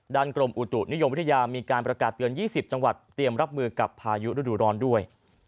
กรมอุตุนิยมวิทยามีการประกาศเตือน๒๐จังหวัดเตรียมรับมือกับพายุฤดูร้อนด้วย